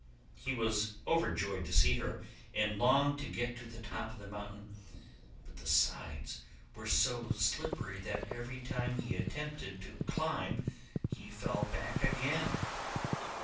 He was overjoyed to see her, and longed to get to the top of the mountain, but the sides were so slippery that every time he attempted to climb he fell back again.